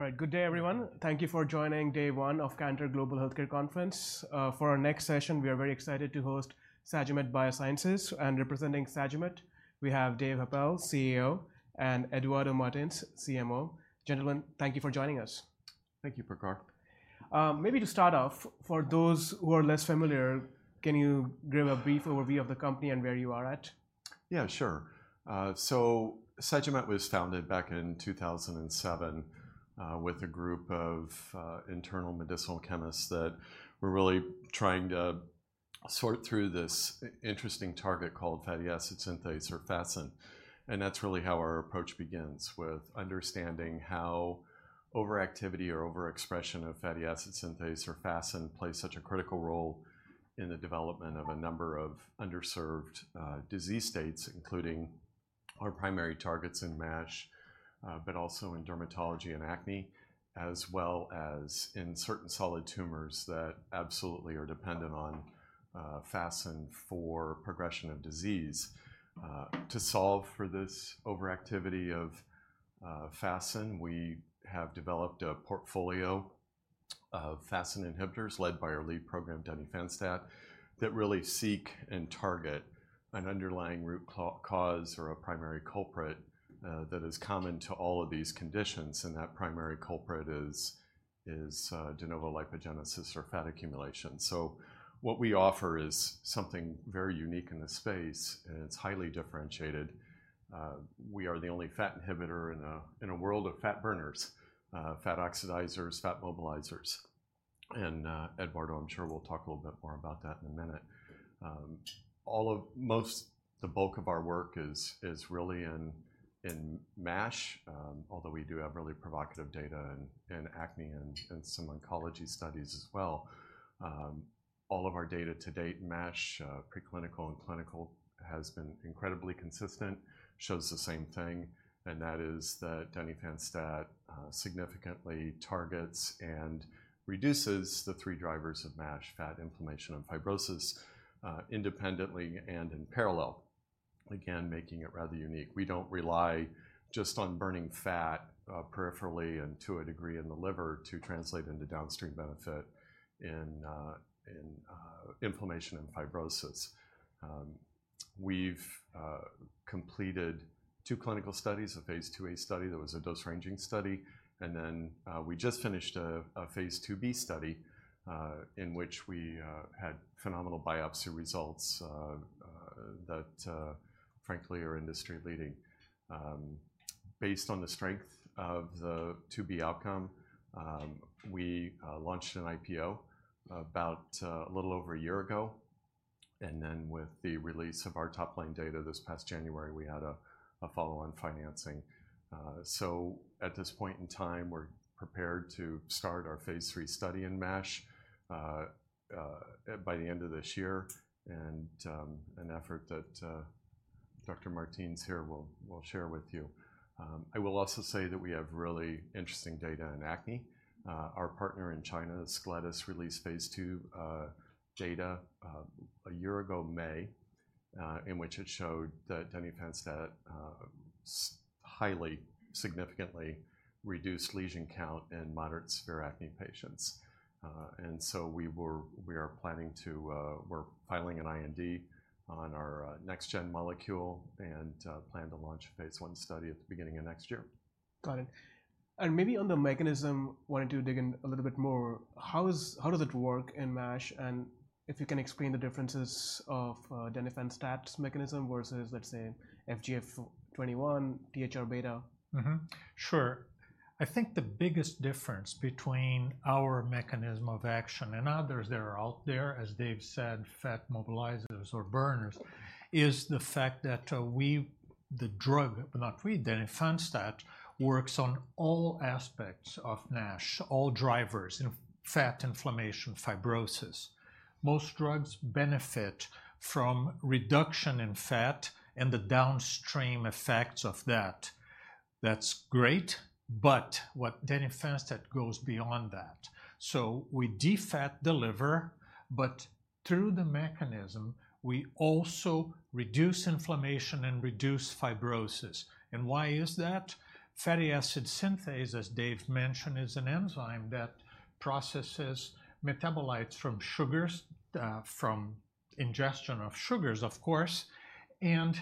All right, good day, everyone. Thank you for joining day one of Cantor Global Healthcare Conference. For our next session, we are very excited to host Sagimet Biosciences, and representing Sagimet, we have Dave Happel, CEO, and Eduardo Martins, CMO. Gentlemen, thank you for joining us. Thank you, Prakash. Maybe to start off, for those who are less familiar, can you give a brief overview of the company and where you are at? Yeah, sure. So Sagimet was founded back in 2007, with a group of internal medicinal chemists that were really trying to sort through this interesting target called fatty acid synthase, or FASN. That's really how our approach begins, with understanding how overactivity or overexpression of fatty acid synthase or FASN plays such a critical role in the development of a number of underserved disease states, including our primary targets in MASH, but also in dermatology and acne, as well as in certain solid tumors that absolutely are dependent on FASN for progression of disease. To solve for this overactivity of FASN, we have developed a portfolio of FASN inhibitors led by our lead program, denifanstat, that really seek and target an underlying root cause, or a primary culprit, that is common to all of these conditions, and that primary culprit is de novo lipogenesis or fat accumulation. So what we offer is something very unique in this space, and it's highly differentiated. We are the only fat inhibitor in a world of fat burners, fat oxidizers, fat mobilizers. Eduardo, I'm sure will talk a little bit more about that in a minute. Most of the bulk of our work is really in MASH, although we do have really provocative data in acne and some oncology studies as well. All of our data to date, MASH, preclinical and clinical, has been incredibly consistent, shows the same thing, and that is that denifanstat significantly targets and reduces the three drivers of MASH, fat, inflammation, and fibrosis, independently and in parallel, again, making it rather unique. We don't rely just on burning fat peripherally and, to a degree, in the liver to translate into downstream benefit in inflammation and fibrosis. We've completed two clinical studies, a phase IIa study that was a dose-ranging study, and then we just finished a phase IIb study in which we had phenomenal biopsy results that frankly are industry-leading. Based on the strength of the IIb outcome, we launched an IPO about a little over a year ago, and then with the release of our top-line data this past January, we had a follow-on financing, so at this point in time, we're prepared to start our phase III study in MASH by the end of this year, and an effort that Dr. Martins here will share with you. I will also say that we have really interesting data in acne. Our partner in China, Ascletis, released phase II data a year ago May, in which it showed that denifanstat significantly reduced lesion count in moderate to severe acne patients. And so we are planning to, we're filing an IND on our next-gen molecule and plan to launch a phase I study at the beginning of next year. Got it. And maybe on the mechanism, wanted to dig in a little bit more. How does it work in MASH? And if you can explain the differences of denifanstat's mechanism versus, let's say, FGF21, THR-beta. Mm-hmm. Sure. I think the biggest difference between our mechanism of action and others that are out there, as Dave said, fat mobilizers or burners, is the fact that, we, the drug, but not we, denifanstat, works on all aspects of NASH, all drivers, in fat inflammation, fibrosis. Most drugs benefit from reduction in fat and the downstream effects of that. That's great, but what denifanstat goes beyond that. So we defat the liver, but through the mechanism, we also reduce inflammation and reduce fibrosis. And why is that? Fatty acid synthase, as Dave mentioned, is an enzyme that processes metabolites from sugars, from ingestion of sugars, of course, and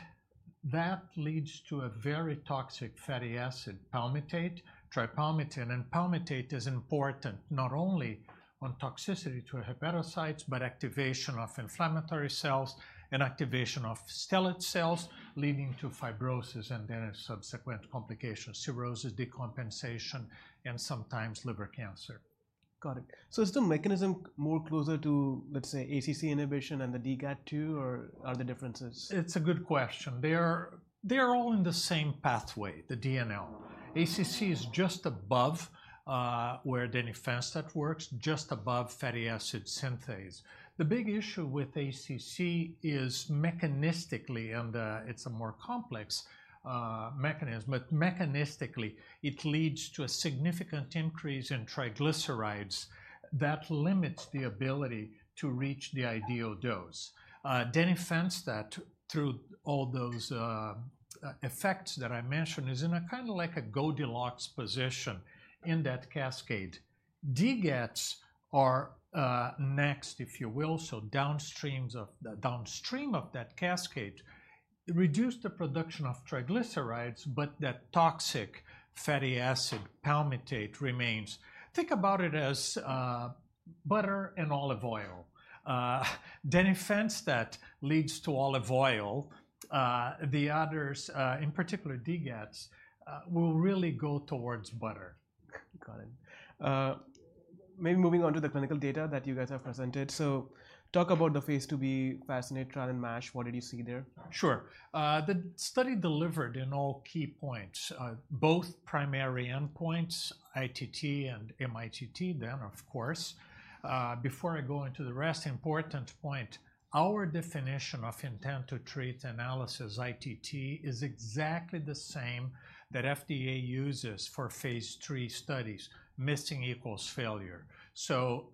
that leads to a very toxic fatty acid, palmitate, tripalmitin. Palmitate is important not only on toxicity to hepatocytes, but activation of inflammatory cells and activation of stellate cells, leading to fibrosis and then subsequent complications, cirrhosis, decompensation, and sometimes liver cancer. Got it. So is the mechanism more closer to, let's say, ACC inhibition and the DGAT2, or are there differences? It's a good question. They are all in the same pathway, the DNL. ACC is just above where denifanstat works, just above fatty acid synthase. The big issue with ACC is mechanistically it's a more complex mechanism, but mechanistically, it leads to a significant increase in triglycerides that limits the ability to reach the ideal dose. denifanstat, through all those effects that I mentioned, is in a kind of like a Goldilocks position in that cascade. DGATs are next, if you will, so downstream of that cascade, reduce the production of triglycerides, but that toxic fatty acid palmitate remains. Think about it as butter and olive oil. denifanstat that leads to olive oil, the others, in particular, DGATs, will really go towards butter. Got it. Maybe moving on to the clinical data that you guys have presented. So talk about the phase IIb FASCINATE trial and MASH. What did you see there? Sure. The study delivered in all key points, both primary endpoints, ITT and MITT then, of course. Before I go into the rest, important point, our definition of intent to treat analysis, ITT, is exactly the same that FDA uses for phase III studies, missing equals failure.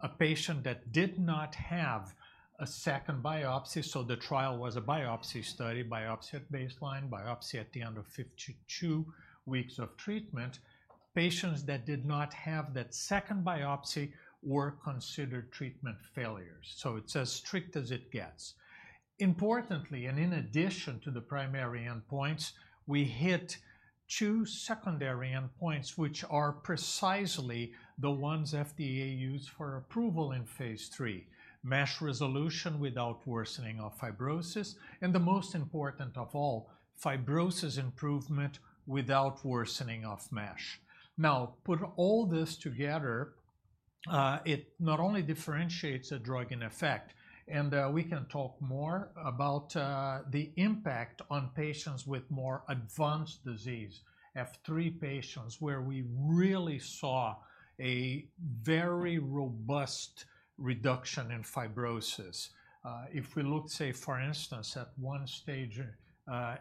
A patient that did not have a second biopsy, so the trial was a biopsy study, biopsy at baseline, biopsy at the end of fifty-two weeks of treatment, patients that did not have that second biopsy were considered treatment failures, so it's as strict as it gets. Importantly, and in addition to the primary endpoints, we hit two secondary endpoints, which are precisely the ones FDA used for approval in phase III, MASH resolution without worsening of fibrosis, and the most important of all, fibrosis improvement without worsening of MASH. Now, put all this together, it not only differentiates a drug in effect, and we can talk more about the impact on patients with more advanced disease, F3 patients, where we really saw a very robust reduction in fibrosis. If we looked, say, for instance, at one stage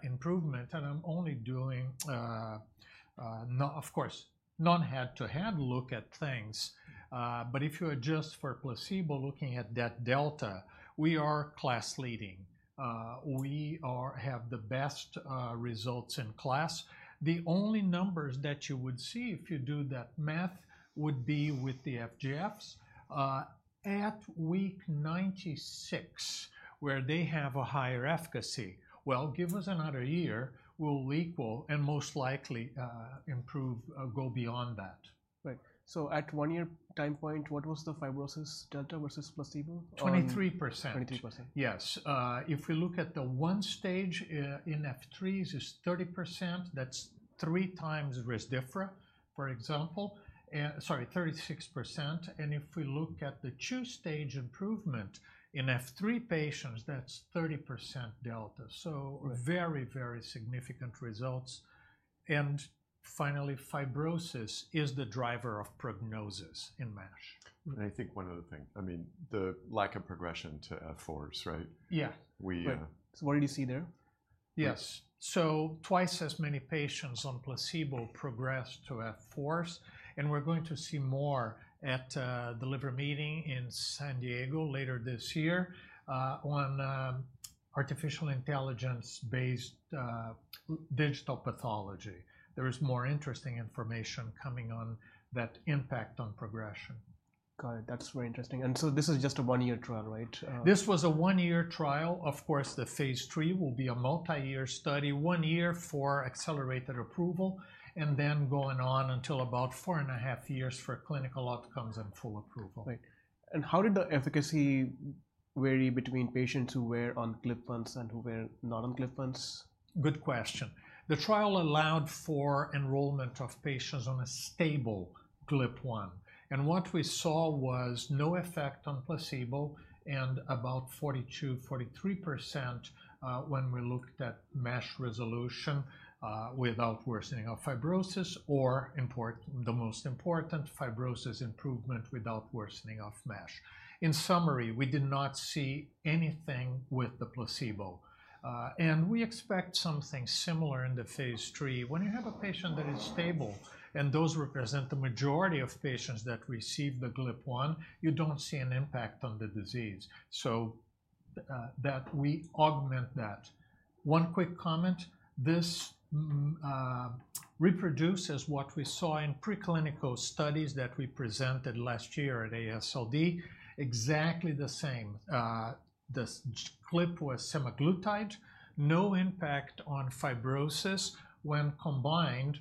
improvement, and I'm only doing, not, of course, not head-to-head look at things, but if you adjust for placebo, looking at that delta, we are class leading. We have the best results in class. The only numbers that you would see if you do that math would be with the FGFs at week 96, where they have a higher efficacy. Well, give us another year, we'll equal and most likely improve, go beyond that. Right. So at one-year time point, what was the fibrosis delta versus placebo or? Twenty-three percent. Twenty-three percent. Yes. If we look at the one-stage in F3s, is 30%, that's three times Resdiffra, for example, and... Sorry, 36%, and if we look at the two-stage improvement in F3 patients, that's 30% delta, so very, very significant results. And finally, fibrosis is the driver of prognosis in MASH. Right. I think one other thing, I mean, the lack of progression to F4s, right? Yeah. We, uh- So what did you see there? Yes. So twice as many patients on placebo progressed to F4s, and we're going to see more at the liver meeting in San Diego later this year on artificial intelligence-based digital pathology. There is more interesting information coming on that impact on progression. Got it. That's very interesting. And so this is just a one-year trial, right? This was a one-year trial. Of course, the phase III will be a multi-year study, one year for accelerated approval, and then going on until about four and a half years for clinical outcomes and full approval. Right. And how did the efficacy vary between patients who were on GLP-1s and who were not on GLP-1s? Good question. The trial allowed for enrollment of patients on a stable GLP-1, and what we saw was no effect on placebo and about 42-43%, when we looked at MASH resolution, without worsening of fibrosis or the most important, fibrosis improvement without worsening of MASH. In summary, we did not see anything with the placebo, and we expect something similar in the phase III. When you have a patient that is stable, and those represent the majority of patients that receive the GLP-1, you don't see an impact on the disease, so, that we augment that. One quick comment, this, reproduces what we saw in preclinical studies that we presented last year at AASLD, exactly the same. The GLP was semaglutide, no impact on fibrosis when combined,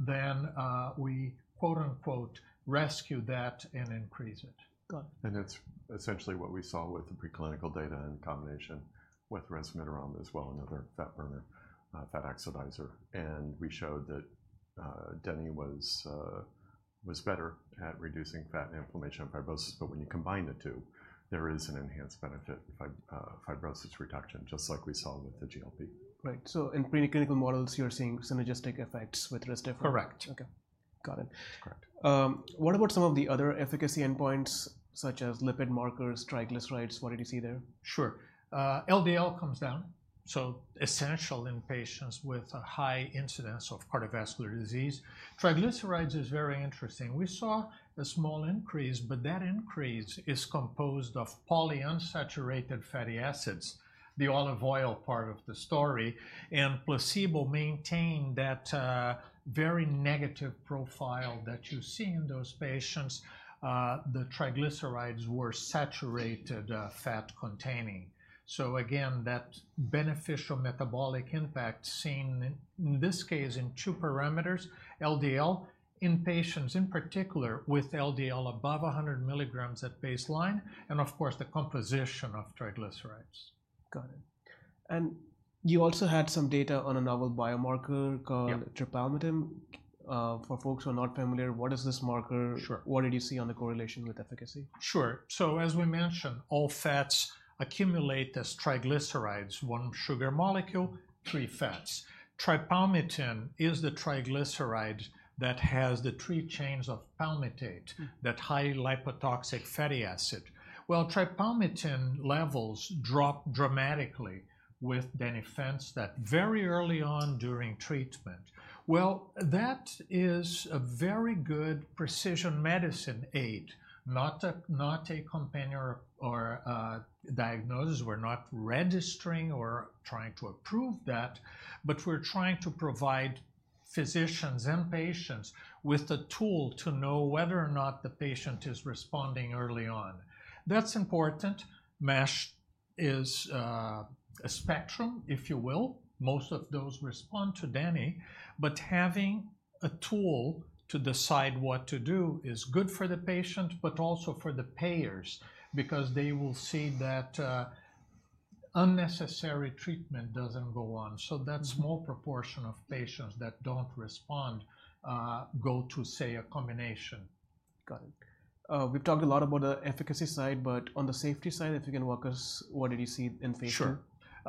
then, we, quote-unquote, "rescue that and increase it. Got it. That's essentially what we saw with the preclinical data in combination with resmetirom as well, another fat burner, fat oxidizer. We showed that denifanstat was better at reducing fat and inflammation and fibrosis, but when you combine the two, there is an enhanced benefit, fibrosis reduction, just like we saw with the GLP. Right, so in preclinical models, you're seeing synergistic effects with Resdiffra. Correct. Okay. Got it. Correct. What about some of the other efficacy endpoints, such as lipid markers, triglycerides? What did you see there? Sure. LDL comes down, so essential in patients with a high incidence of cardiovascular disease. Triglycerides is very interesting. We saw a small increase, but that increase is composed of polyunsaturated fatty acids, the olive oil part of the story, and placebo maintained that very negative profile that you see in those patients. The triglycerides were saturated fat-containing. So again, that beneficial metabolic impact seen in this case in two parameters, LDL, in patients, in particular with LDL above a hundred milligrams at baseline, and of course, the composition of triglycerides. Got it. And you also had some data on a novel biomarker called- Yeah - tripalmitin. For folks who are not familiar, what is this marker? Sure. What did you see on the correlation with efficacy? Sure. So as we mentioned, all fats accumulate as triglycerides, one sugar molecule, three fats. Tripalmitin is the triglyceride that has the three chains of palmitate- Mm... that high lipotoxic fatty acid. Tripalmitin levels drop dramatically with denifanstat very early on during treatment. That is a very good precision medicine aid, not a companion or diagnosis. We're not registering or trying to approve that, but we're trying to provide physicians and patients with the tool to know whether or not the patient is responding early on. That's important. MASH is a spectrum, if you will. Most of those respond to deni, but having a tool to decide what to do is good for the patient, but also for the payers, because they will see that unnecessary treatment doesn't go on. Mm. So that small proportion of patients that don't respond go to, say, a combination. Got it. We've talked a lot about the efficacy side, but on the safety side, if you can walk us, what did you see in patients?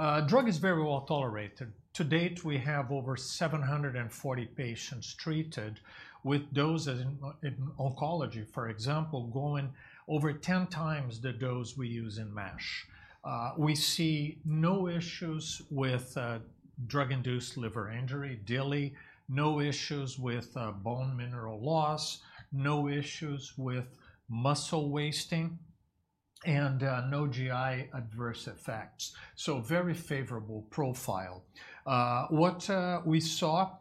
Sure. Drug is very well tolerated. To date, we have over 740 patients treated with doses in oncology, for example, going over 10 times the dose we use in MASH. We see no issues with drug-induced liver injury, DILI, no issues with bone mineral loss, no issues with muscle wasting, and no GI adverse effects, so very favorable profile. What we saw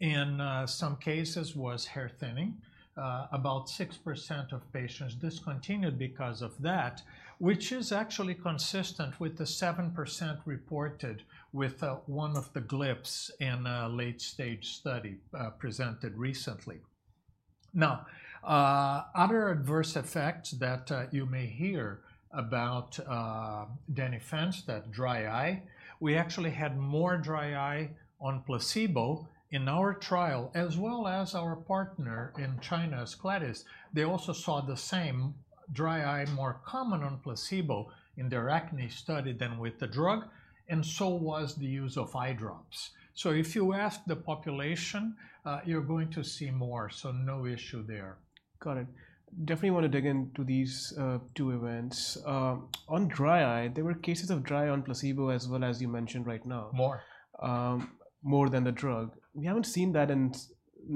in some cases was hair thinning. About 6% of patients discontinued because of that, which is actually consistent with the 7% reported with one of the GLPs in a late-stage study presented recently. Now, other adverse effects that you may hear about denifanstat, dry eye. We actually had more dry eye on placebo in our trial, as well as our partner in China, Ascletis. They also saw the same dry eye, more common on placebo in their acne study than with the drug, and so was the use of eye drops. So if you ask the population, you're going to see more, so no issue there. Got it. Definitely wanna dig into these two events. On dry eye, there were cases of dry eye on placebo as well, as you mentioned right now. More. More than the drug. We haven't seen that in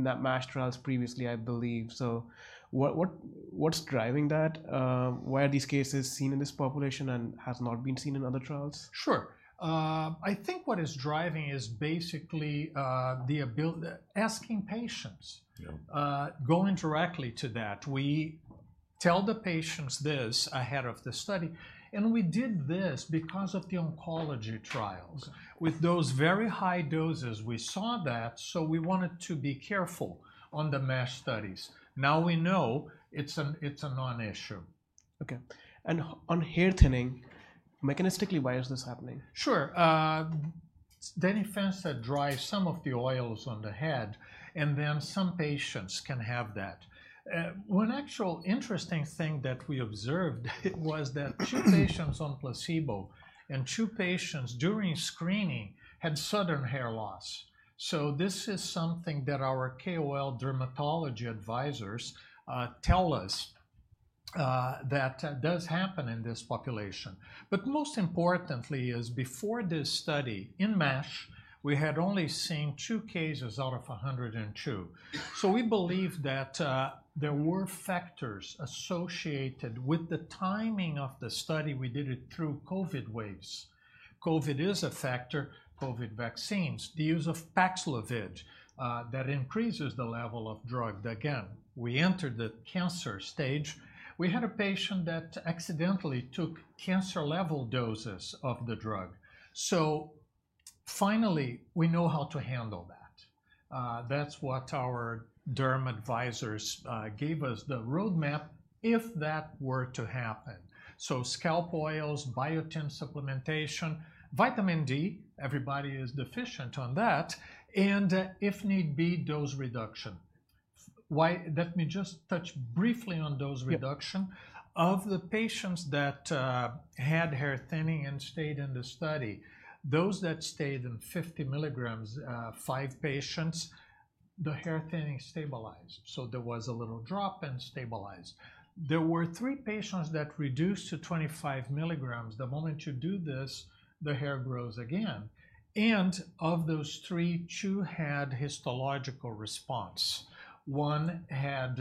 that MASH trials previously, I believe. So what's driving that? Why are these cases seen in this population and has not been seen in other trials? Sure. I think what is driving is basically, the ability... Asking patients. Yeah. Going directly to that, we tell the patients this ahead of the study, and we did this because of the oncology trials. Okay. With those very high doses, we saw that, so we wanted to be careful on the MASH studies. Now we know it's a non-issue. Okay. And on hair thinning, mechanistically, why is this happening? Sure. Denifanstat dries some of the oils on the head, and then some patients can have that. One actually interesting thing that we observed was that two patients on placebo and two patients during screening had sudden hair loss. So this is something that our KOL dermatology advisors tell us that does happen in this population. But most importantly is before this study, in MASH, we had only seen two cases out of 102. So we believe that there were factors associated with the timing of the study. We did it through COVID waves. COVID is a factor. COVID vaccines, the use of Paxlovid, that increases the level of drug. Again, we entered the cancer stage. We had a patient that accidentally took cancer-level doses of the drug. So finally, we know how to handle that. That's what our derm advisors gave us, the roadmap if that were to happen. So scalp oils, biotin supplementation, vitamin D, everybody is deficient on that, and if need be, dose reduction. Why. Let me just touch briefly on dose reduction. Yeah. Of the patients that had hair thinning and stayed in the study, those that stayed in 50 milligrams, five patients- the hair thinning stabilized, so there was a little drop and stabilized. There were three patients that reduced to 25 milligrams. The moment you do this, the hair grows again, and of those three, two had histological response. One had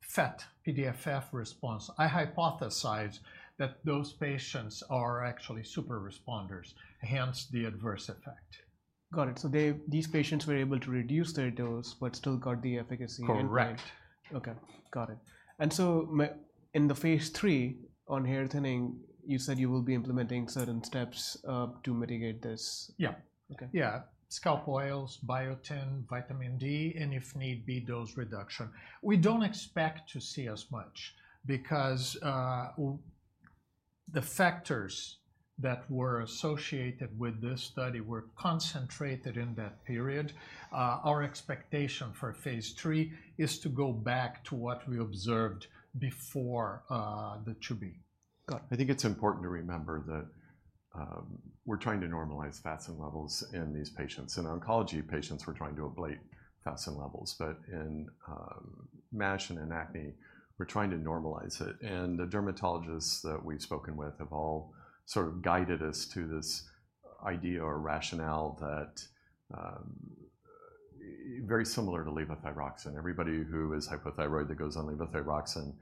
FAT, PDFF response. I hypothesize that those patients are actually super responders, hence the adverse effect. Got it. So these patients were able to reduce their dose but still got the efficacy, right? Correct. Okay, got it. And so in the phase three on hair thinning, you said you will be implementing certain steps to mitigate this? Yeah. Okay. Yeah. Scalp oils, biotin, vitamin D, and if need be, dose reduction. We don't expect to see as much because the factors that were associated with this study were concentrated in that period. Our expectation for phase three is to go back to what we observed before the IIb. Got it. I think it's important to remember that, we're trying to normalize FASN levels in these patients. In oncology patients, we're trying to ablate FASN levels, but in MASH and in acne, we're trying to normalize it. And the dermatologists that we've spoken with have all sort of guided us to this idea or rationale that very similar to levothyroxine. Everybody who is hypothyroid that goes on levothyroxine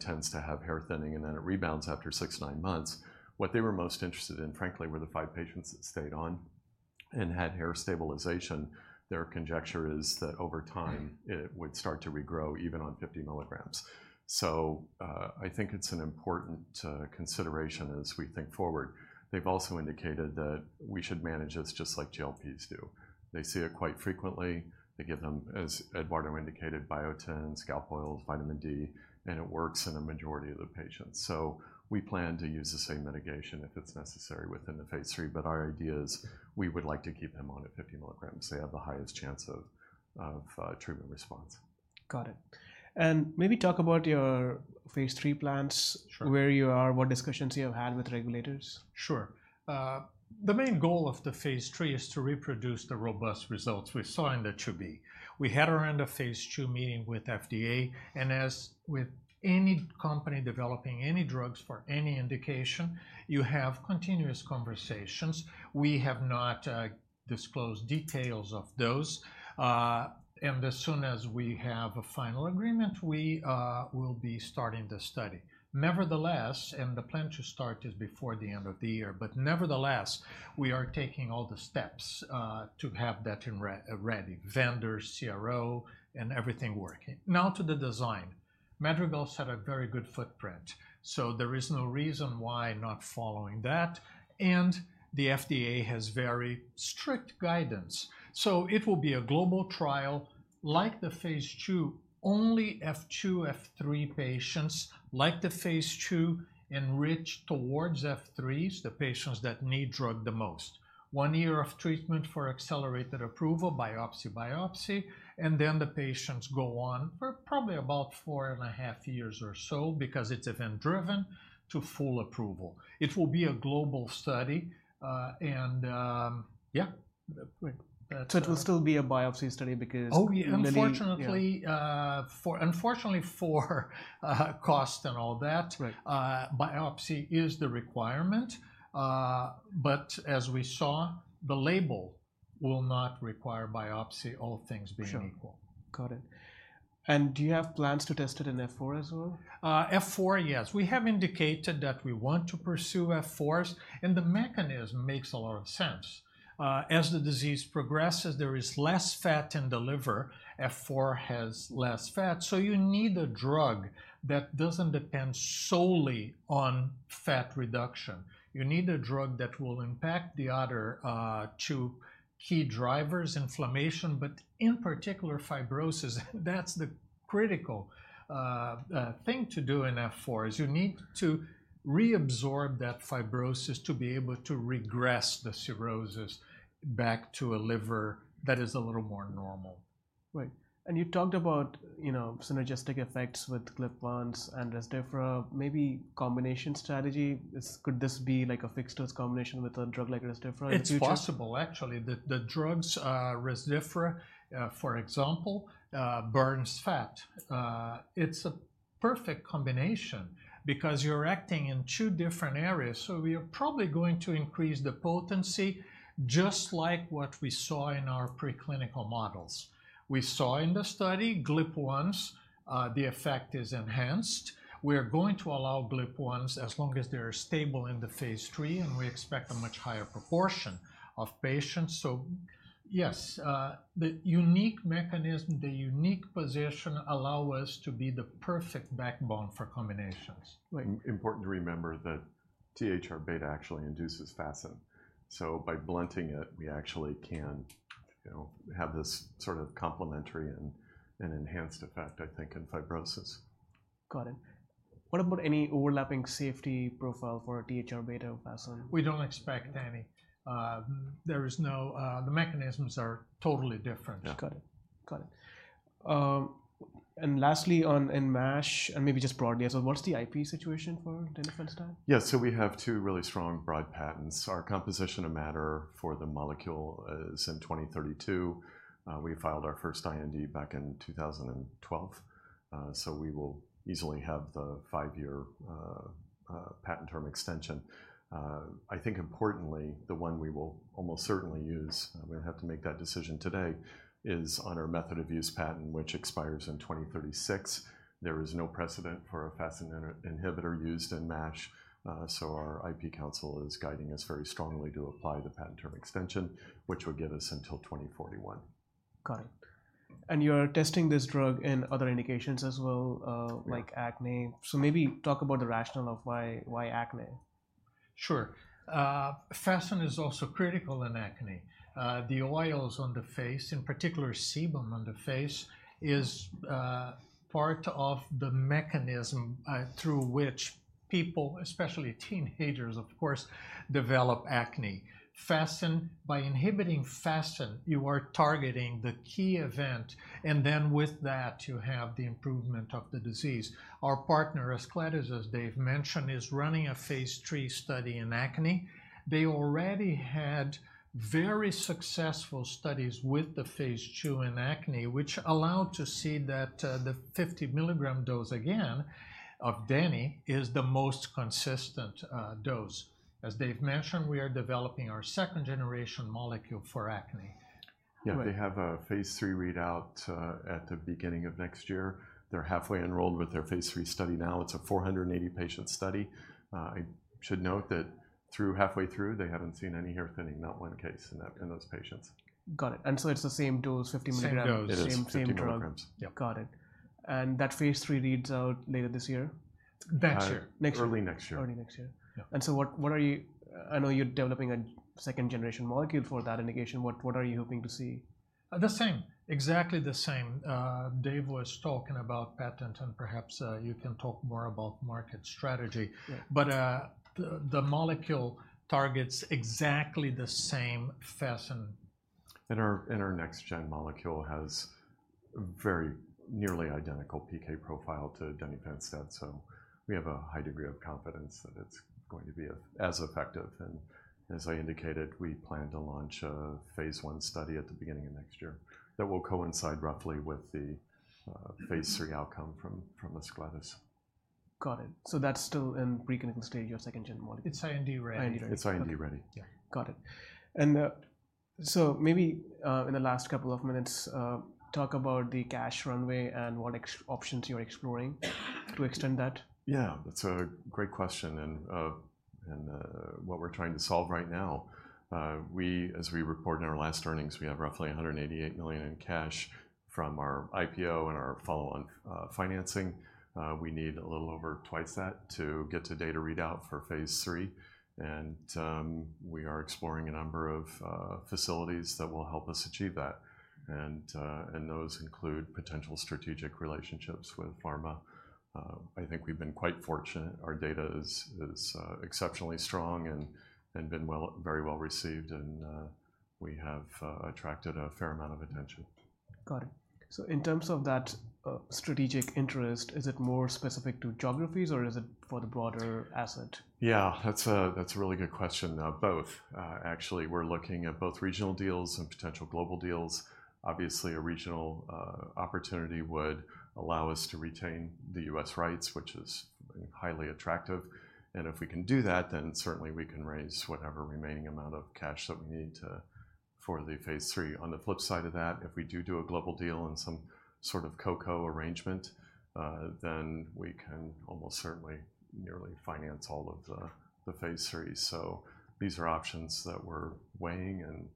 tends to have hair thinning, and then it rebounds after six, nine months. What they were most interested in, frankly, were the five patients that stayed on and had hair stabilization. Their conjecture is that over time, it would start to regrow even on 50 milligrams. So, I think it's an important consideration as we think forward. They've also indicated that we should manage this just like GLPs do. They see it quite frequently. They give them, as Eduardo indicated, biotin, scalp oils, vitamin D, and it works in a majority of the patients. So we plan to use the same mitigation if it's necessary within the phase three, but our idea is we would like to keep them on at 50 milligrams. They have the highest chance of treatment response. Got it. And maybe talk about your phase three plans- Sure. where you are, what discussions you have had with regulators. Sure. The main goal of the phase three is to reproduce the robust results we saw in the IIb. We had around a phase two meeting with FDA, and as with any company developing any drugs for any indication, you have continuous conversations. We have not disclosed details of those. And as soon as we have a final agreement, we will be starting the study. Nevertheless, the plan to start is before the end of the year, but nevertheless, we are taking all the steps to have that ready, vendors, CRO, and everything working. Now to the design. Madrigal set a very good footprint, so there is no reason why not following that, and the FDA has very strict guidance. It will be a global trial like the phase 2, only F2, F3 patients, like the phase 2, enrich towards F3s, the patients that need drug the most. One year of treatment for accelerated approval, biopsy, and then the patients go on for probably about four and a half years or so because it is event-driven to full approval. It will be a global study. It will still be a biopsy study because- Oh, yeah- -maybe, yeah. Unfortunately, for cost and all that- Right... biopsy is the requirement, but as we saw, the label will not require biopsy, all things being equal. Sure. Got it. And do you have plans to test it in F4 as well? F4, yes. We have indicated that we want to pursue F4, and the mechanism makes a lot of sense. As the disease progresses, there is less fat in the liver. F4 has less fat, so you need a drug that doesn't depend solely on fat reduction. You need a drug that will impact the other two key drivers, inflammation, but in particular, fibrosis. That's the critical thing to do in F4, is you need to reabsorb that fibrosis to be able to regress the cirrhosis back to a liver that is a little more normal. Right. And you talked about, you know, synergistic effects with GLP-1s and Resdiffra, maybe combination strategy. Could this be like a fixed-dose combination with a drug like Resdiffra in the future? It's possible, actually. The drugs, Resdiffra, for example, burns fat. It's a perfect combination because you're acting in two different areas, so we are probably going to increase the potency just like what we saw in our preclinical models. We saw in the study, GLP-1s, the effect is enhanced. We are going to allow GLP-1s as long as they're stable in the phase three, and we expect a much higher proportion of patients. So yes, the unique mechanism, the unique position allow us to be the perfect backbone for combinations. Right. Important to remember that THR-beta actually induces FASN, so by blunting it, we actually can, you know, have this sort of complementary and enhanced effect, I think, in fibrosis. Got it. What about any overlapping safety profile for ThR-beta or FASN? We don't expect any. There is no. The mechanisms are totally different. Okay, got it. Got it. And lastly, on in MASH, and maybe just broadly, so what's the IP situation for denifanstat? Yeah. So we have two really strong broad patents. Our composition of matter for the molecule is in 2032. We filed our first IND back in 2012, so we will easily have the five-year patent term extension. I think importantly, the one we will almost certainly use, and we have to make that decision today, is on our method of use patent, which expires in 2036. There is no precedent for a FASN inhibitor used in MASH, so our IP counsel is guiding us very strongly to apply the patent term extension, which would get us until 2041. Got it. And you're testing this drug in other indications as well. Yeah... like acne. So maybe talk about the rationale of why, why acne? Sure. FASN is also critical in acne. The oils on the face, in particular, sebum on the face, is part of the mechanism through which people, especially teenagers, of course, develop acne. FASN, by inhibiting FASN, you are targeting the key event, and then with that, you have the improvement of the disease. Our partner, Ascletis, as Dave mentioned, is running a phase 3 study in acne. They already had very successful studies with the phase 2 in acne, which allowed to see that the 50-milligram dose again, of denifanstat, is the most consistent dose. As Dave mentioned, we are developing our second-generation molecule for acne. Yeah. Go ahead. They have a phase 3 readout at the beginning of next year. They're halfway enrolled with their phase 3 study now. It's a 480-patient study. I should note that through halfway through, they haven't seen any hair thinning, not one case in that, in those patients. Got it. And so it's the same dose, 50 milligrams- Same dose. It is 50 milligrams. Same, same drug. Yep. Got it. And that phase three reads out later this year? Next year. Uh- Next year. Early next year. Early next year. Yeah. And so what, what are you? I know you're developing a second-generation molecule for that indication. What, what are you hoping to see? The same. Exactly the same. Dave was talking about patent, and perhaps, you can talk more about market strategy. Yeah. But the molecule targets exactly the same FASN. Our next gen molecule has very nearly identical PK profile to denifanstat, so we have a high degree of confidence that it's going to be as effective. As I indicated, we plan to launch a phase one study at the beginning of next year. That will coincide roughly with the phase three outcome from Ascletis. Got it. So that's still in preclinical stage, your second-gen molecule? It's IND ready. IND ready. It's IND ready. Yeah. Got it. So maybe in the last couple of minutes, talk about the cash runway and what exit options you're exploring to extend that. Yeah, that's a great question, and what we're trying to solve right now. We, as we reported in our last earnings, have roughly $188 million in cash from our IPO and our follow-on financing. We need a little over twice that to get to data readout for phase 3, and we are exploring a number of facilities that will help us achieve that, and those include potential strategic relationships with pharma. I think we've been quite fortunate. Our data is exceptionally strong and been well, very well received, and we have attracted a fair amount of attention. Got it. So in terms of that, strategic interest, is it more specific to geographies, or is it for the broader asset? Yeah, that's a really good question. Both. Actually, we're looking at both regional deals and potential global deals. Obviously, a regional opportunity would allow us to retain the U.S. rights, which is highly attractive. And if we can do that, then certainly we can raise whatever remaining amount of cash that we need to for the phase three. On the flip side of that, if we do a global deal and some sort of co-co arrangement, then we can almost certainly nearly finance all of the phase three. So these are options that we're weighing, and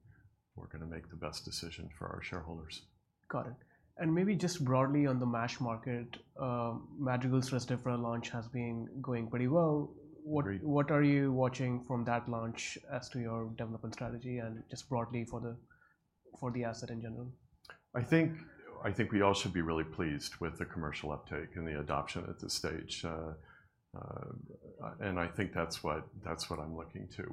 we're gonna make the best decision for our shareholders. Got it, and maybe just broadly on the MASH market, Madrigal's Resdiffra launch has been going pretty well. Agreed. What are you watching from that launch as to your development strategy and just broadly for the asset in general? I think we all should be really pleased with the commercial uptake and the adoption at this stage. And I think that's what I'm looking to.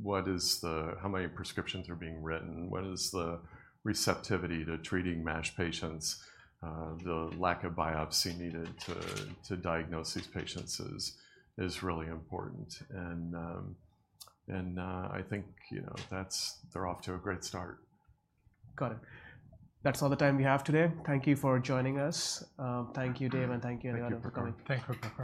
What is the... How many prescriptions are being written? What is the receptivity to treating MASH patients? The lack of biopsy needed to diagnose these patients is really important. And I think, you know, that's... They're off to a great start. Got it. That's all the time we have today. Thank you for joining us. Thank you, Dave, and thank you, Eduardo, for coming. Thank you. Thank you for coming.